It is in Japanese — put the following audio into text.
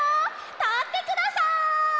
たってください！